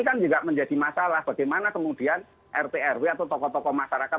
ini kan juga menjadi masalah bagaimana kemudian rt rw atau tokoh tokoh masyarakat